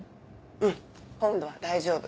うん今度は大丈夫。